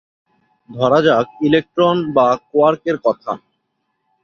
ধরা যাক ইলেকট্রন বা কোয়ার্কের কথা।